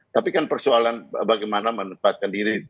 tapi kan persoalan bagaimana menempatkan diri